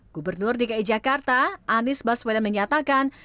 gubernur dki jakarta anies baswedan menyatakan